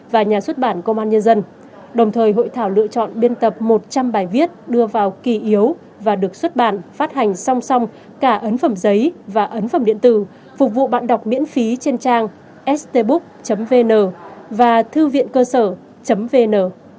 và nhà xuất bản công an nhân dân đồng thời hội thảo lựa chọn biên tập một trăm linh bài viết đưa vào kỳ yếu và được xuất bản phát hành song song cả ấn phẩm giấy và ấn phẩm điện tử phục vụ bạn đọc miễn phí trên trang stbook vn và thư viện cơ sở vn